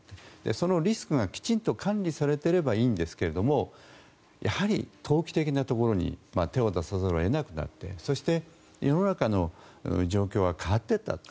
そのリスクがきちんと管理されていればいいんですけれどもやはり、投機的なところに手を出さざるを得なくなってそして世の中の状況は変わっていったと。